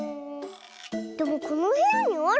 でもこのへやにある？